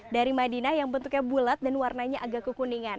dari madinah yang bentuknya bulat dan warnanya agak kekuningan